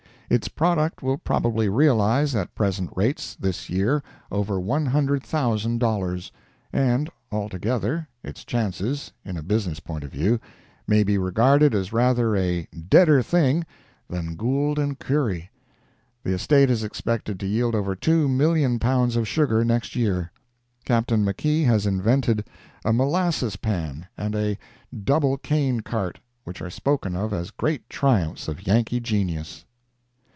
Its product will probably realize, at present rates, this year, over one hundred thousand dollars; and, altogether, its chances, in a business point of view, may be regarded as rather a "deader thing" than Gould & Curry. The estate is expected to yield over two million pounds of sugar next year. Captain Makee has invented a "molasses pan" and a "double cane cart," which are spoken of as great triumphs of Yankee genius.